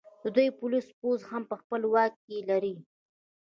دوی پولیس او پوځ هم په خپل واک کې لري